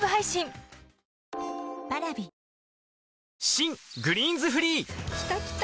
新「グリーンズフリー」きたきた！